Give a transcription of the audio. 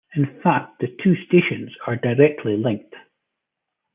In fact the two stations are directly linked.